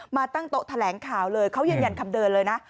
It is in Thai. มาตั้งโต๊ะแถลงข่าวเลยเขายืนยันคำเดินเลยนะ